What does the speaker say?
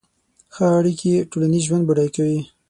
ښه اړیکې ټولنیز ژوند بډای کوي.